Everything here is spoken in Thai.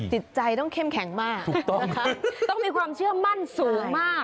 จิตใจต้องเข้มแข็งมากนะคะต้องมีความเชื่อมั่นสูงมาก